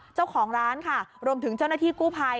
เจ้าของร้านค่ะรวมถึงเจ้าหน้าที่กู้ภัย